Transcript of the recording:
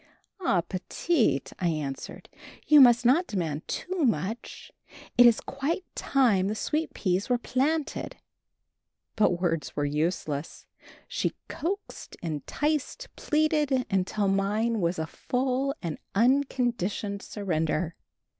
"Ah, Petite," I answered, "you must not demand too much. It is quite time the sweet peas were planted!" But words were useless; she coaxed, enticed, pleaded, until mine was a full and unconditioned surrender.